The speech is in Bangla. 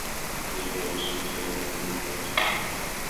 তিনি ফ্রাঙ্কিশ সেনাবাহিনীকে খাবার সরবরাহ করেন।